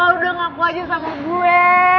kalau udah ngaku aja sama gue